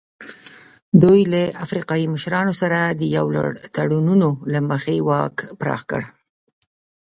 دوی له افریقایي مشرانو سره د یو لړ تړونونو له مخې واک پراخ کړ.